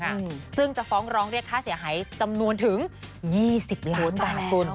อืมซึ่งจะฟ้องร้องเรียกค่าเสียหายจำนวนถึงยี่สิบล้านบาทคุณ